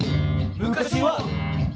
昔は！